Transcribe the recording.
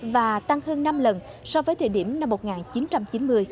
và tăng hơn năm lần so với thời điểm năm một nghìn chín trăm chín mươi